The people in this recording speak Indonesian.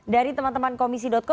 dari teman teman komisi co